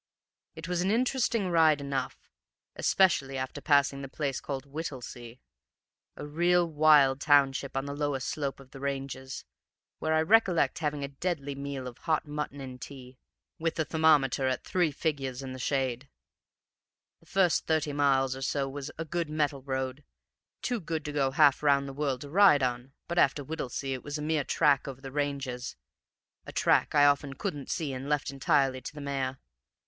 "It was an interesting ride enough, especially after passing the place called Whittlesea, a real wild township on the lower slope of the ranges, where I recollect having a deadly meal of hot mutton and tea, with the thermometer at three figures in the shade. The first thirty miles or so was a good metal road, too good to go half round the world to ride on, but after Whittlesea it was a mere track over the ranges, a track I often couldn't see and left entirely to the mare.